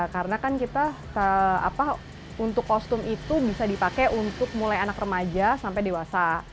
karena kan kita apa untuk kostum itu bisa dipakai untuk mulai anak remaja sampai dewasa